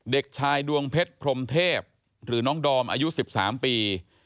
เด็กชายดวงเพชรพรมเทพหรือน้องดอมอายุ๑๓ปี